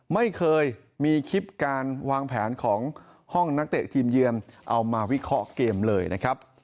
ไม่เคยมีคลิปการวางแผนของห้องนักเตะทีมเยือนเอามาวิเคราะห์เกมเลยนะครับ